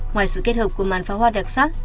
ngoài sự kết hợp của màn pháo hoa đặc sắc